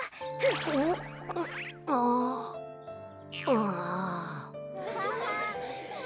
うん。